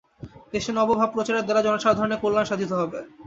দেশে নবভাব-প্রচারের দ্বারা জনসাধারণের কল্যাণ সাধিত হবে।